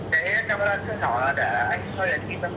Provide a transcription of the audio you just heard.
dễ sử dụng